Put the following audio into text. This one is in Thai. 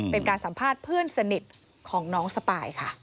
เป็นการสัมภาษณ์เพื่อนสนิทของน้องสปายค่ะ